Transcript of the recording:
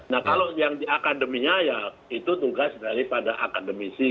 nah kalau yang di akademinya ya itu tugas daripada akademisi